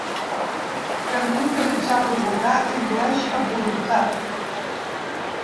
Per mi utilitzar "provocar" indueix a voluntat.